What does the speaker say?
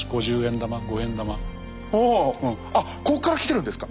あっここからきてるんですか？